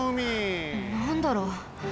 なんだろう？